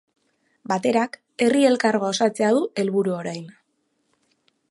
Baterak Herri Elkargoa osatzea du helburu orain.